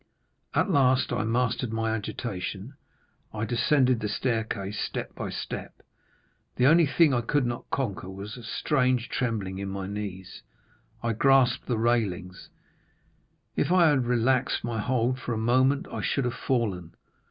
At last I mastered my agitation. I descended the staircase step by step; the only thing I could not conquer was a strange trembling in my knees. I grasped the railings; if I had relaxed my hold for a moment, I should have fallen.